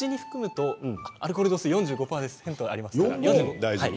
アルコール度数が４５度あります。